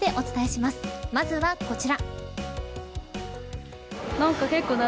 まずは、こちら。